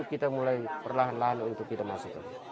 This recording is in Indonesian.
kita mulai perlahan lahan untuk kita masukkan